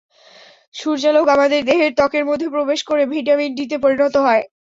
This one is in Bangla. সূর্যালোক আমাদের দেহের ত্বকের মধ্যে প্রবেশ করে ভিটামিন ডি-তে পরিণত হয়।